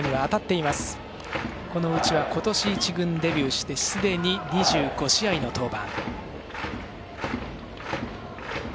内は今年、１軍デビューしてすでに２５試合の登板。